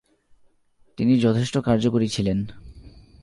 তিনি যথেষ্ট কার্যকরী ছিলেন।